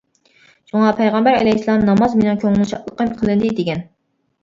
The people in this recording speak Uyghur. شۇڭا پەيغەمبەر ئەلەيھىسسالام: «ناماز مېنىڭ كۆڭۈل شادلىقىم قىلىندى» دېگەن.